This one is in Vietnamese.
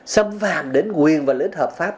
xâm phạm đến quyền và lợi ích hợp pháp